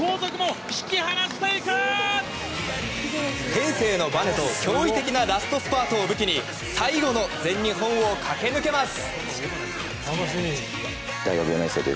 天性のばねと驚異的なラストスパートを武器に最後の全日本を駆け抜けます。